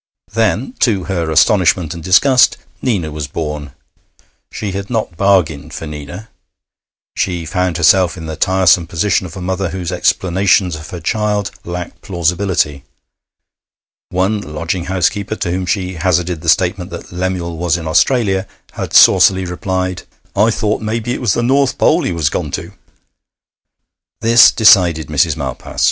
Then, to her astonishment and disgust, Nina was born. She had not bargained for Nina. She found herself in the tiresome position of a mother whose explanations of her child lack plausibility. One lodging housekeeper to whom she hazarded the statement that Lemuel was in Australia had saucily replied: 'I thought maybe it was the North Pole he was gone to!' This decided Mrs. Malpas.